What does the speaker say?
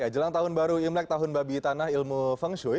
jelang tahun baru imlek tahun babi tanah ilmu feng shui